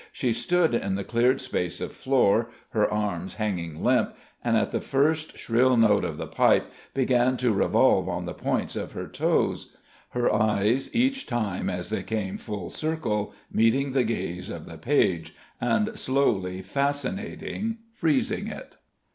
She stood in the cleared space of floor, her arms hanging limp, and at the first shrill note of the pipe began to revolve on the points of her toes, her eyes, each time as they came full circle, meeting the gaze of the page, and slowly fascinating, freezing it.